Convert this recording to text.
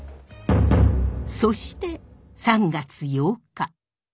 そして３月８日。